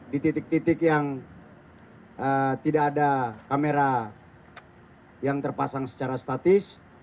di titik titik yang tidak ada kamera yang terpasang secara statis